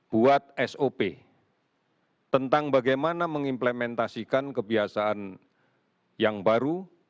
buat sop tentang bagaimana mengimplementasikan kebiasaan yang baru